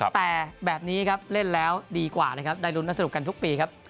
แต่แบบนี้ครับเล่นแล้วดีกว่านะครับได้รุ้นและสนุกกันทุกปีครับ